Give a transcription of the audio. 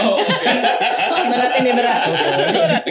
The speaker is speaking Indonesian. oh berat ini merat itu